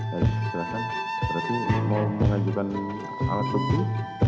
hai silakan berarti mau mengajukan alat suci